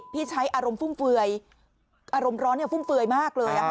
ที่ใช้อารมณ์ฟุ่มเฟือยอารมณ์ร้อนฟุ่มเฟือยมากเลย